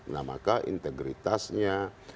nah maka integritasnya